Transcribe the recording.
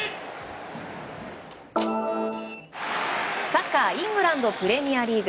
サッカー、イングランドプレミアリーグ。